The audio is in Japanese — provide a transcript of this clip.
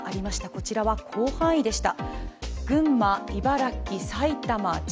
こちらは広範囲でした。